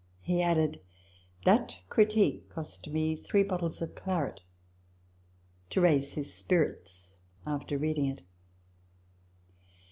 He added, " That critique cost me three bottles of claret " (to raise his spirits after reading it).